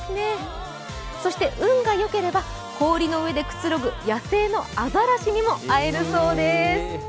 運がよければ、氷の上でくつろぐ野生のアザラシにも会えるそうです。